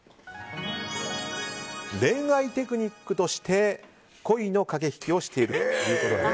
恋愛テクニックとして恋の駆け引きをしている。